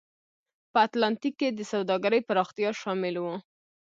په اتلانتیک کې د سوداګرۍ پراختیا شامل و.